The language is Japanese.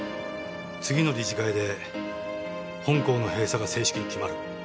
次の理事会で本校の閉鎖が正式に決まる。